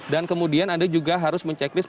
dan kemudian anda juga harus mencek list